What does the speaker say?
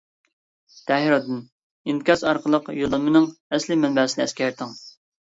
تەھرىردىن : ئىنكاس ئارقىلىق يوللانمىنىڭ ئەسلى مەنبەسىنى ئەسكەرتىڭ!